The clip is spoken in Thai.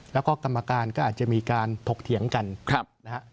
แล้วก็กรรมการก็อาจจะมีการถกเถียงกันนะฮะ